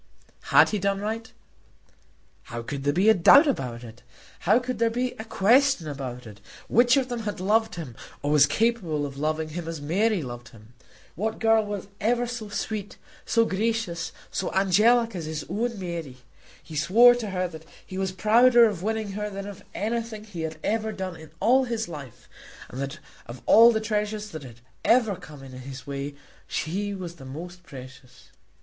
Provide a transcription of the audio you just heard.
Had he done right? How could there be a doubt about it? How could there be a question about it? Which of them had loved him, or was capable of loving him as Mary loved him? What girl was ever so sweet, so gracious, so angelic, as his own Mary? He swore to her that he was prouder of winning her than of anything he had ever done in all his life, and that of all the treasures that had ever come in his way she was the most precious.